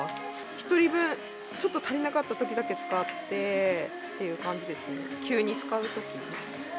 １人分ちょっと足りなかったときだけ使ってという感じですね、急に使うことも。